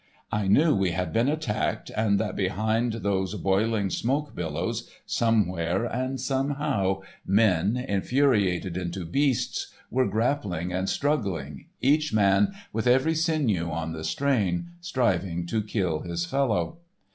I knew we had been attacked and that behind those boiling smoke billows, somewhere and somehow, men, infuriated into beasts, were grappling and struggling, each man, with every sinew on the strain, striving to kill his fellow.